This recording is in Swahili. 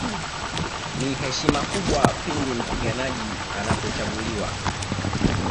Ni heshima kubwa pindi mpiganaji anapochaguliwa